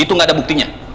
itu gak ada buktinya